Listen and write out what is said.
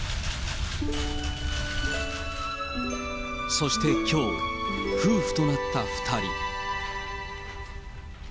そしてきょう、夫婦となった２人。